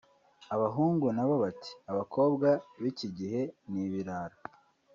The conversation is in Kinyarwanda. Abahungu nabo bati ‘’ abakobwa bikigihe ni ibirara